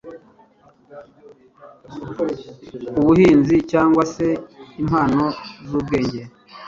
ubuhmzi cyangwa se impano z'ubwenge.